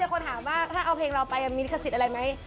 แล้วมีคนถามว่าถ้าเอาเพลงเราไปมีคศิษฐ์อะไรไหม